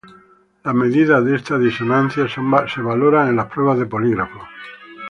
Las medidas de esta disonancia, son valoradas en las pruebas de polígrafo.